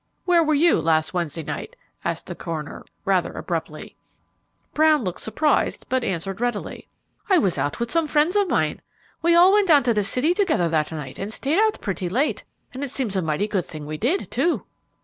"Where were you last Wednesday night?" asked the coroner, rather abruptly. Brown looked surprised, but answered readily, "I was out with some friends of mine. We all went down to the city together that night and stayed out pretty late, and it seems a mighty good thing we did, too."